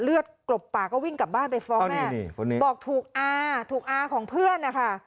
เลือดกลบปาก็วิ่งกลับบ้านไปฟ้าแม่เอานี่นี่บอกถูกอาถูกอาของเพื่อนนะคะ